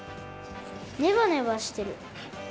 ネバネバしてる。